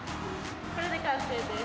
これで完成です。